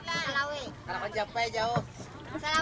yang dicari banyaknya apa